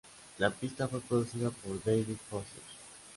La pista fue producida por David Foster.